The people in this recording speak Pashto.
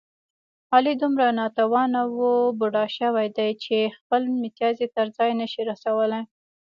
علي دومره ناتوانه و بوډا شوی دی، چې خپل متیازې تر ځایه نشي رسولی.